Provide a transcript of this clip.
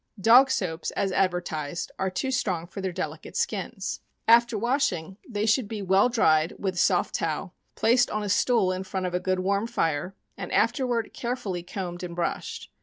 Dog soaps, as advertised, are too strong for their delicate skins. After washing, they should be well dried wLh a soft towel, placed on a stool in front of a good warm fire, and afterward carefully combed and brushed.